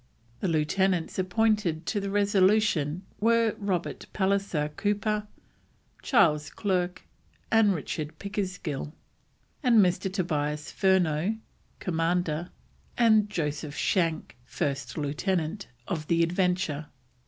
The lieutenants appointed to the Resolution were Robert Pallisser Cooper, Charles Clerke, and Richard Pickersgill, and Mr. Tobias Furneaux, Commander, and Joseph Shank first lieutenant, of the Adventure.